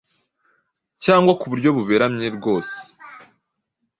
cyangwa ku buryo buberamye rwose.